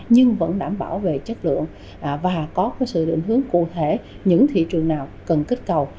nhưng vẫn đảm bảo về chất lượng và có sự định hướng cụ thể những thị trường nào cần kích cầu